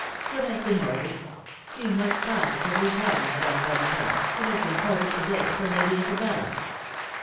What has been ordered? you must positively tell me, Madame Boneton, what has been ordered to day for Lady Isabella?"